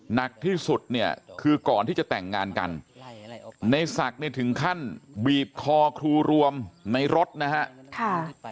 หนักที่สุดเนี่ยคือก่อนที่จะแต่งงานกันในศักดิ์เนี่ยถึงขั้นบีบคอครูรวมในรถนะฮะ